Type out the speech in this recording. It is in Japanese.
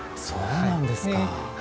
そうなんですか。